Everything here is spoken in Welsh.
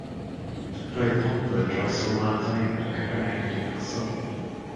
Roedd pobl yn rhoi sylwadau ar y cyfryngau cymdeithasol.